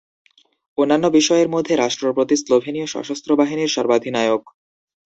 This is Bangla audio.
অন্যান্য বিষয়ের মধ্যে রাষ্ট্রপতি স্লোভেনীয় সশস্ত্র বাহিনীর সর্বাধিনায়ক।